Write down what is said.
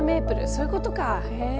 そういうことか。